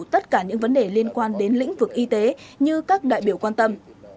tất cả những vấn đề liên quan đến lĩnh vực y tế như các đại biểu quan tâm